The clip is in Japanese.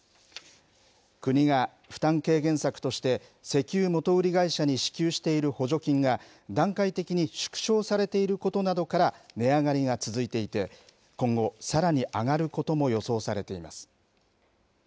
国が負担軽減策として、石油元売り会社に支給している補助金が、段階的に縮小されていることなどから値上がりが続いていて、今後さらに上がることも予想されています。